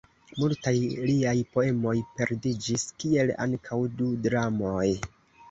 Multaj liaj poemoj perdiĝis, kiel ankaŭ du dramoj.